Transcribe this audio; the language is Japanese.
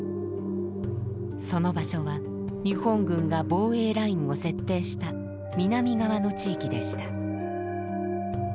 その場所は日本軍が防衛ラインを設定した南側の地域でした。